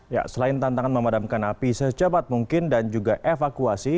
ya selain tantangan memadamkan api secepat mungkin dan juga evakuasi